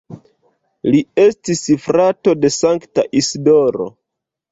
Li estis frato de Sankta Isidoro.